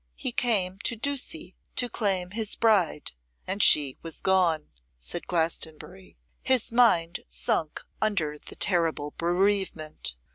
'He came to Ducie to claim his bride, and she was gone,' said Glastonbury; 'his mind sunk under the terrible bereavement.